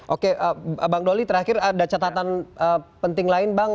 oke bang doli terakhir ada catatan penting lain bang